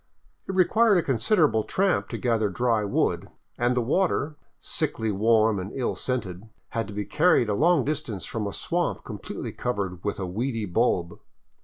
It required a considerable tramp to gather dry wood, and the water, sickly warm and ill scented, had to be carried a long distance from a swamp completely covered with a weedy bulb.